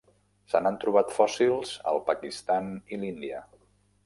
Se n'han trobat fòssils al Pakistan i l'Índia.